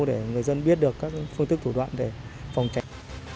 để người dân biết được các phương thức thủ đoạn để phòng tránh